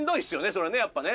そりゃねやっぱね。